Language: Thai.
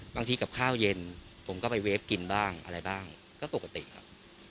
กับข้าวเย็นผมก็ไปเวฟกินบ้างอะไรบ้างก็ปกติครับ